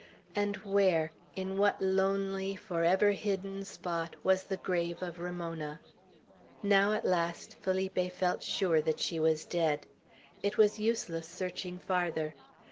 And where, in what lonely, forever hidden spot, was the grave of Ramona? Now at last Felipe felt sure that she was dead. It was useless searching farther.